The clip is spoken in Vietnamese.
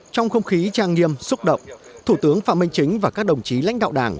trong không khí trang nghiêm xúc động thủ tướng phạm minh chính và các đồng chí lãnh đạo đảng